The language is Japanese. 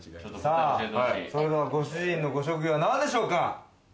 それではご主人のご職業は何でしょうか？